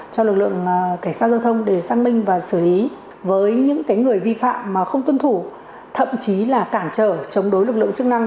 cho lực lượng cảnh sát giao thông để xác minh và xử lý với những người vi phạm mà không tuân thủ thậm chí là cản trở chống đối lực lượng chức năng